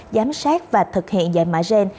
giám sát và thực hiện dạy mã gen